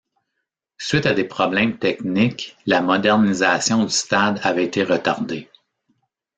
Suite à des problèmes techniques, la modernisation du stade avait été retardée.